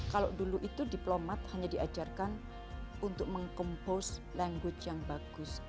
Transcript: kalau dulu itu diplomat hanya diajarkan untuk meng compost language yang bagus